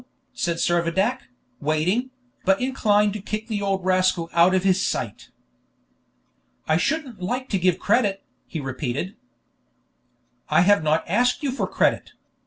said Servadac, waiting, but inclined to kick the old rascal out of his sight. "I shouldn't like to give credit," he repeated. "I have not asked you for credit.